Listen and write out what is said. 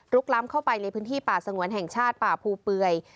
ล้ำเข้าไปในพื้นที่ป่าสงวนแห่งชาติป่าภูเปื่อย